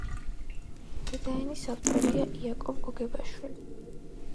დედაენის ავტორია იაკობ გოგებაშვილი